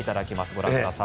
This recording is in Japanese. ご覧ください。